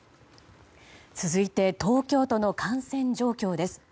続いて、東京都の感染状況です。